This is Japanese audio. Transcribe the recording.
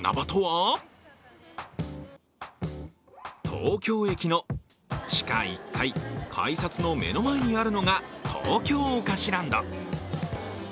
東京駅の地下１階、改札の目の前にあるのが東京おかしランド。